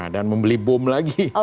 dan membeli bom lagi